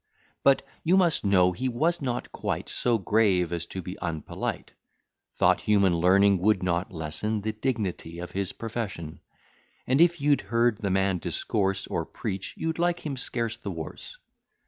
But, you must know he was not quite So grave as to be unpolite: Thought human learning would not lessen The dignity of his profession: And if you'd heard the man discourse, Or preach, you'd like him scarce the worse.